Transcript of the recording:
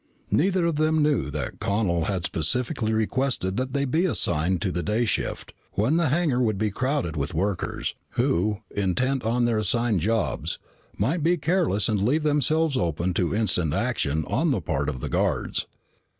Neither of them knew that Connel had specifically requested that they be assigned to the day shift, when the hangar would be crowded with workers, who, intent on their assigned jobs, might be careless and leave themselves open to instant action on the part of the guards.